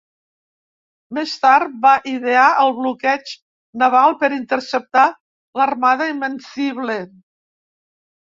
Més tard va idear el bloqueig naval per interceptar l'Armada Invencible.